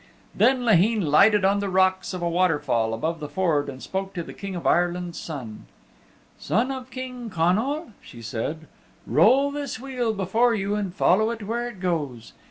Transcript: Then Laheen lighted on the rocks of a waterfall above the ford and spoke to the King of Ireland's Son. "Son of King Connal," she said, "roll this wheel before you and follow it where it goes.